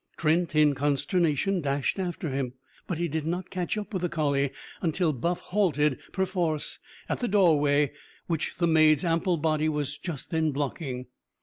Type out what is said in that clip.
Trent, in consternation, dashed after him. But he did not catch up with the collie until Buff halted, perforce, at the doorway which the maid's ample body was just then blocking.